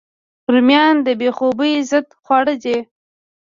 رومیان د بې خوبۍ ضد خواړه دي